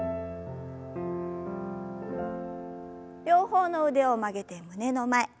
両方の腕を曲げて胸の前。